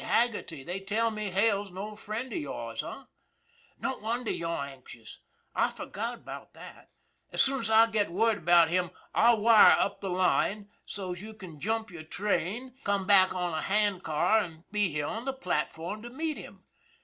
" Say, Haggerty, they tell me Hale's an old friend of yours, h'm? No wonder you're anxious. I forgot about that. As soon as I get word about him, I'll wire up the line to you so's you can jump your train, come 258 ON THE IRON AT BIG CLOUD back on a hand car, and be here on the platform to meet him."